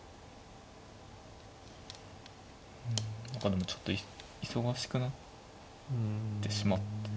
何かでもちょっと忙しくなってしまった。